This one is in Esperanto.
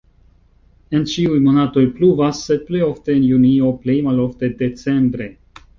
En ĉiuj monatoj pluvas, sed plej ofte en junio, plej malofte decembre.